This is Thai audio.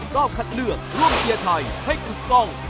รอบคัดเลือกร่วมเชียร์ไทยให้กึกกล้อง